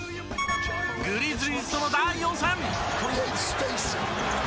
グリズリーズとの第４戦。